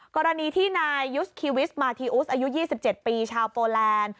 กรณีที่นายยุสคิวิสมาทีอุสอายุ๒๗ปีชาวโปแลนด์